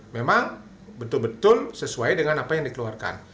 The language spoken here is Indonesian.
memang betul betul sesuai dengan apa yang dikeluarkan